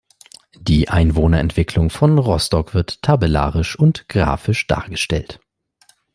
Die Einwohnerentwicklung von Rostock wird tabellarisch und grafisch dargestellt.